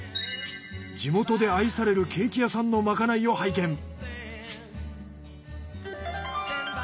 地元で愛されるケーキ屋さんのまかないを拝見。